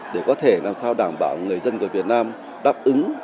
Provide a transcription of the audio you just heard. để có thể làm sao đảm bảo người dân của việt nam đáp ứng